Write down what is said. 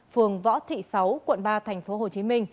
phường võ thị sáu quận ba tp hcm